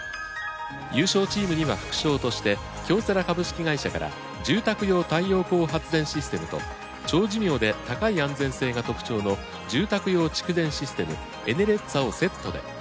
優勝チームには副賞として「京セラ株式会社」から住宅用太陽光発電システムと長寿命で高い安全性が特徴の住宅用蓄電システム「Ｅｎｅｒｅｚｚａ」をセットで。